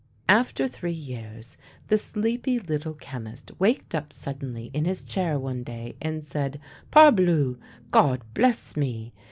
After three years, the sleepy Little Chemist waked up suddenly in his chair one day and said: " Par bleu! God bless me